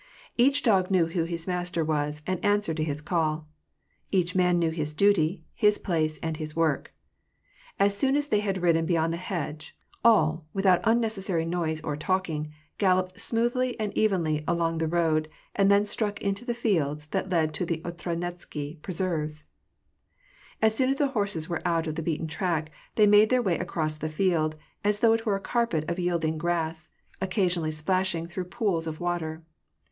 Each dog knew who his master was, and answered to his call. Each man knew his duty, his place, and his work. As soon as they had ridden, beyond the hedge, all, without unnecessary noise or talking, galloped smoothly and evenly along the road, and then struck into the fields that led to the Otradnensky preserves. As soon as the horses were out of the beaten track, they made their way across the field, as though it were a carpet of yielding grass, occasionally splashing through pools of water.